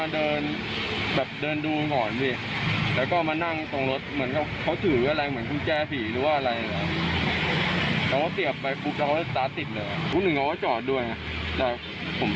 เดี๋ยวก่อนเนี่ยเอาไปครับคุณผู้ชมครับ